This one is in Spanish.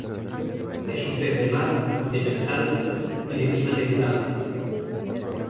Es un pez de mar, demersal, y de clima templado.